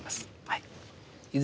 はい。